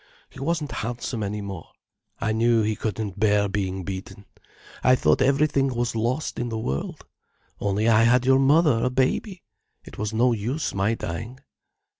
He wasn't handsome any more. I knew he couldn't bear being beaten, I thought everything was lost in the world. Only I had your mother a baby, it was no use my dying.